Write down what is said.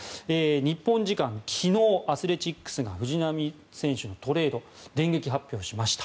日本時間昨日アスレチックスが藤浪選手のトレードを電撃発表しました。